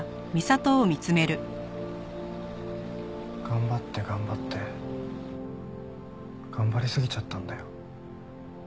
頑張って頑張って頑張りすぎちゃったんだよ。